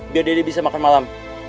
biar dede bisa makan malam